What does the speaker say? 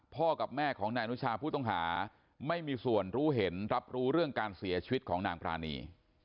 กับแม่ของนายอนุชาผู้ต้องหาไม่มีส่วนรู้เห็นรับรู้เรื่องการเสียชีวิตของนางปรานี